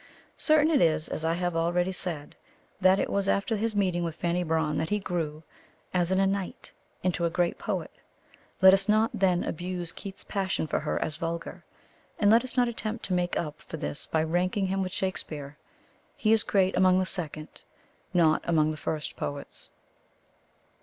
Certain it is, as I have already said, that it was after his meeting with Fanny Brawne that he grew, as in a night, into a great poet. Let us not then abuse Keats's passion for her as vulgar. And let us not attempt to make up for this by ranking him with Shakespeare. He is great among the second, not among the first poets.